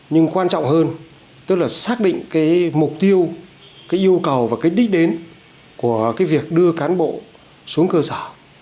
nhưng quan trọng hơn tức là xác định mục tiêu yêu cầu và đích đến của việc đưa cán bộ xuống cơ sở